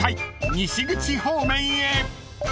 西口方面へ］